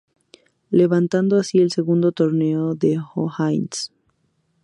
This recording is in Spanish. Levantando así el segundo torneo de O'Higgins.